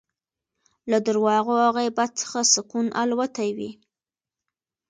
له درواغو او غیبت څخه سکون الوتی وي